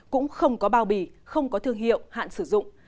cũng không có bao bì không có thương hiệu hạn sử dụng